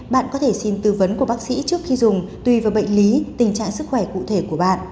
bạn có thể xin tư vấn của bác sĩ trước khi dùng tùy vào bệnh lý tình trạng sức khỏe cụ thể của bạn